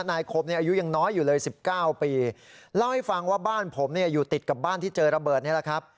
นายคมอายุยังน้อยอยู่เลย๑๙ปีเล่าให้ฟังว่าบ้านผมอยู่ติดกับบ้านที่เจอระเบิดนี่แหละครับ